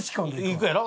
行くやろ？